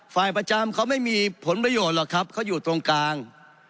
ฝ่ายประจำเขาไม่มีผลประโยชน์หรอกครับเขาอยู่ตรงกลาง